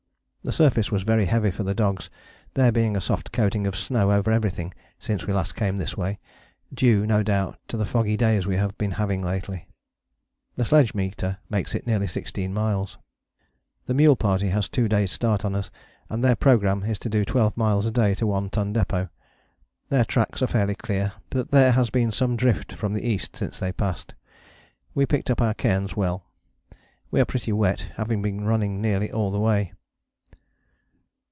The surface was very heavy for the dogs, there being a soft coating of snow over everything since we last came this way, due no doubt to the foggy days we have been having lately. The sledge meter makes it nearly 16 miles. The mule party has two days' start on us, and their programme is to do twelve miles a day to One Ton Depôt. Their tracks are fairly clear, but there has been some drift from the east since they passed. We picked up our cairns well. We are pretty wet, having been running nearly all the way.